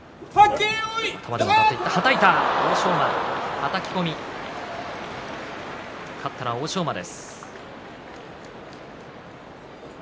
はたき込み勝ったのは欧勝馬です。